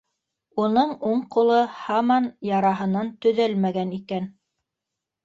Уның уң ҡулы һаман яраһынан төҙәлмәгән икән.